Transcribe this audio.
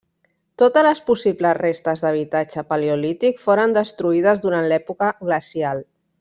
Totes les possibles restes d'habitatge paleolític foren destruïdes durant l'època glacial.